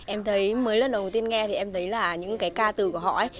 em thấy mới lần đầu tiên nghe thì em thấy là những cái ca từ của họ ấy